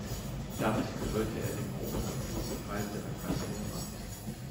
Damit gehörte er dem obersten Führungskreis der Parteiführung an.